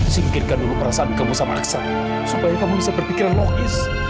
sipikirkan dulu perasaan kamu sama aksa supaya kamu bisa berpikiran logis